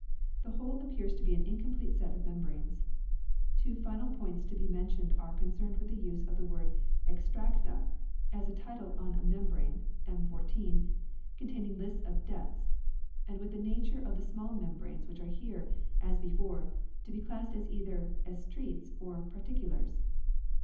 The whole appears to be an incomplete set of membranes. Two final points to be mentioned are concerned with the use of the word " Extracta " as a title on a membrane (m. 14) containing lists of debts, and with the nature of the small membranes which are here, as before, to be classed as either " Estreats " or " Particulars